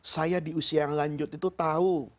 saya di usia yang lanjut itu tahu